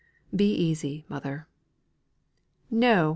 Be easy, mother." "No!